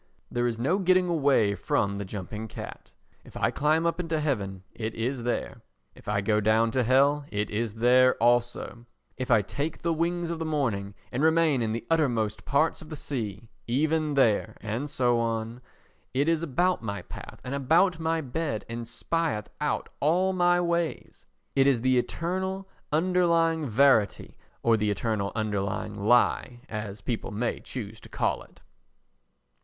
There is no getting away from the jumping cat—if I climb up into heaven, it is there; if I go down to hell, it is there also; if I take the wings of the morning and remain in the uttermost parts of the sea, even there, and so on; it is about my path and about my bed and spieth out all my ways. It is the eternal underlying verity or the eternal underlying lie, as people may choose to call it.